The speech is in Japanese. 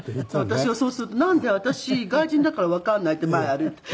私はそうすると「なんで？私外国人だからわかんない」って前歩いて。